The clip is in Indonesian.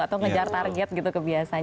atau ngejar target gitu kebiasaan